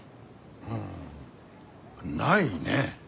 うんないね。